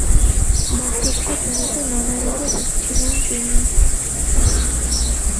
বার্ধক্যজনিত নানা রোগে ভুগছিলেন তিনি।